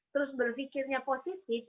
terus berpikirnya positif